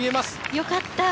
よかった。